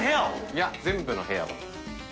いや全部の部屋を。